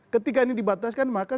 ketika ini dibataskan maka